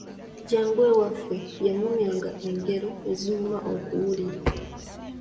Jjajja waffe yanyumyanga engero ezinyuma okuwulira!